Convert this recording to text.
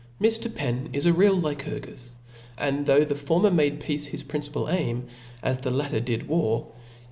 Mr. Penn is a real Lycurgus : and though the former made peace his principal aim, as the latter did war, yet.